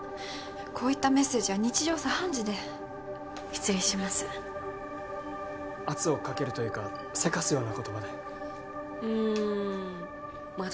こういったメッセージは日常茶飯事で失礼します圧をかけるというかせかすような言葉でうんまあ